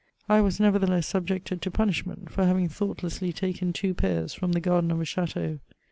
I was, nevertheless, subjected to punishment^ for having thoughtlessly taken two pears from the garden of a chateau.